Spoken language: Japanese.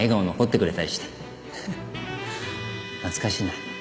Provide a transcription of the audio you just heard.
ハハ懐かしいな。